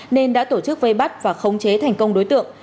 nên đã tổ chức vây bắt và khống chế thành công đối tượng